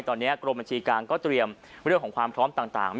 ตอนนี้กรมบัญชีกลางก็เตรียมเรื่องของความพร้อมต่าง